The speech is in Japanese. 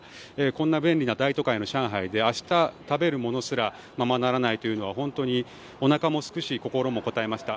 こんな便利な大都会の上海で明日食べるものすらままならないというのは本当におなかもすくし心もこたえました。